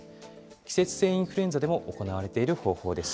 季節性インフルエンザでも行われている方法です。